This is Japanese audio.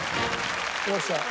よっしゃ！